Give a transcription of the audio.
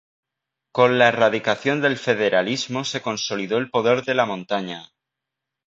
Con la erradicación del federalismo se consolidó el poder de La Montaña.